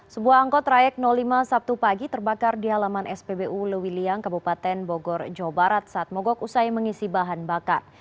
sebuah angkot trayek lima sabtu pagi terbakar di halaman spbu lewiliang kabupaten bogor jawa barat saat mogok usai mengisi bahan bakar